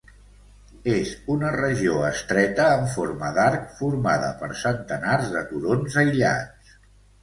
És una regió estreta en forma d"arc formada per centenars de turons aïllats.